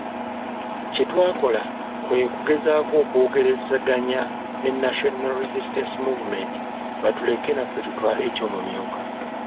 Kye twakola kwe kugezaako okwogerezeganya ne National Resistance Movement batuleke naffe tutwale eky’omumyuka.